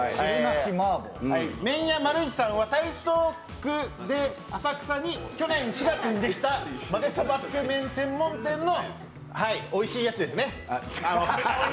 麺屋まるいちさんは台東区浅草に去年４月にできた、まぜそばつけ麺専門店のおいしいやつですね。